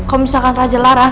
kalau misalkan raja larang